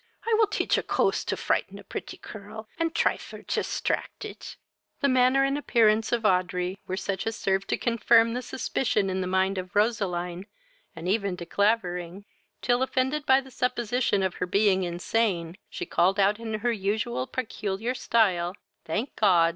I will teach a cost to frighten a pretty cirl, and trive her tistracted." The manner and appearance of Audrey were such as served to confirm the suspicion in the mind of Roseline, and even De Clavering, till, offended by the supposition of her being insane, she called out in her usual peculiar stile, "Thank God!